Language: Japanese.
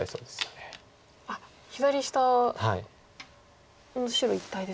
あっ左下の白一帯ですか？